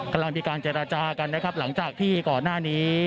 กำลังมีการเจรจากันนะครับหลังจากที่ก่อนหน้านี้